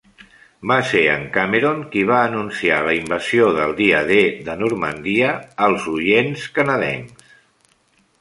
Va ser en Cameron qui va anunciar la invasió del Dia D de Normandia als orients canadencs.